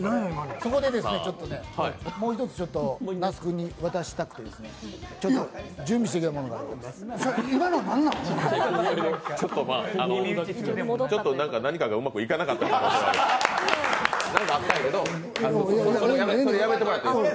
そこで、もう一つ那須君に渡したくて、ちょっと準備してきたものがあります。